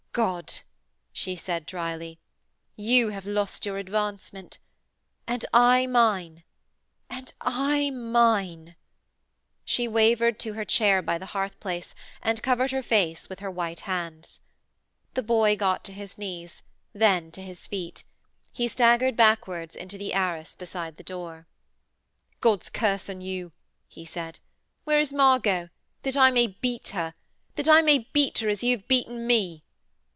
'God!' she said drily, 'you have lost your advancement. And I mine!... And I mine.' She wavered to her chair by the hearth place, and covered her face with her white hands. The boy got to his knees, then to his feet; he staggered backwards into the arras beside the door. 'God's curse on you!' he said. 'Where is Margot? That I may beat her! That I may beat her as you have beaten me.'